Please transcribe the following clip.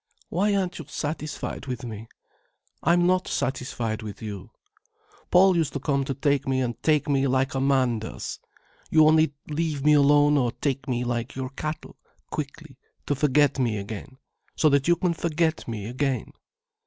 "Why aren't you satisfied with me?—I'm not satisfied with you. Paul used to come to me and take me like a man does. You only leave me alone or take me like your cattle, quickly, to forget me again—so that you can forget me again."